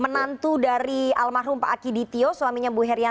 dan harus didalami oleh